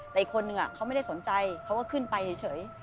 แต่อีกคนนึงเขาไม่ได้สนใจเขาก็ขึ้นไปเฉย